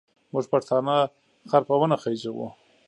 موږ پښتانه خر په ونه خېزوو.